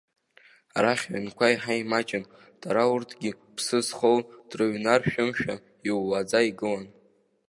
Арахь аҩнқәа иаҳа имаҷын, дара урҭгьы, ԥсы зхоу дрыҩнаршәымшәа, иууаӡа игылан.